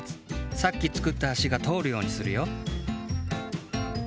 さっき作ったあしがとおるようにするよ。